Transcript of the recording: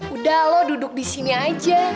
udah lo duduk di sini aja